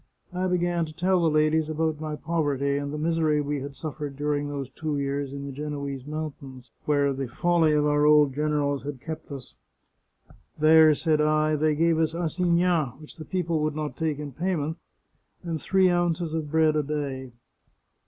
I began to tell the ladies about my poverty and the misery we had suffered during those two years in the Genoese mountains, where the folly of our old generals had kept us. * There,' said I, ' they gave us assignats which the people would not take in payment, and three ounces of bread a day.'